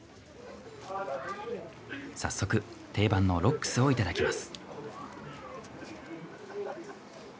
早速、定番のロックスをいただきます。